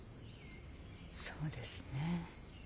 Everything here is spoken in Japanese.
そうですね。